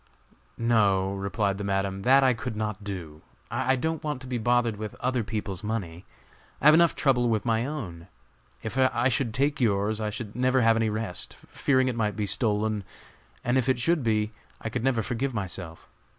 "No," replied the Madam, "that I could not do. I don't want to be bothered with other people's money. I have enough trouble with my own. If I should take yours, I should never have any rest, fearing it might be stolen; and if it should be, I could never forgive myself.